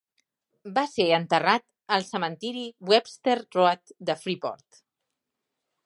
Va ser enterrat al cementiri Webster Road de Freeport.